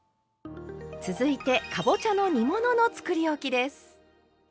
続いてかぼちゃの煮物のつくりおきです。